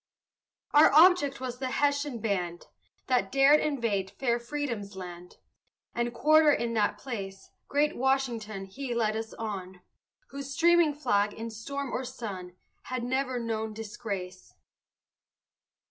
Our object was the Hessian band, That dared invade fair freedom's land, And quarter in that place. Great Washington he led us on, Whose streaming flag, in storm or sun, Had never known disgrace.